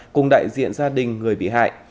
cùng đại diện gia đình người bị hại